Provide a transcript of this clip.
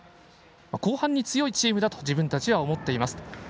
後半に強いチームだと自分たちは思っています。